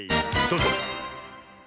どうぞ。